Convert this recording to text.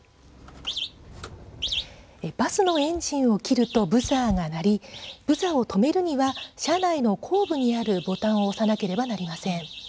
バスのエンジンを切るとブザーが鳴りブザーを止めるには車内の後部にあるボタンを押さなければなりません。